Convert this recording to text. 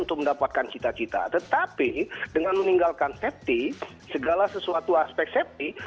untuk mendapatkan cita cita tetapi dengan meninggalkan safety segala sesuatu aspek safety